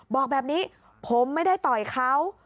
บอกแบบนี้ผมไม่ได้ต่อยเขา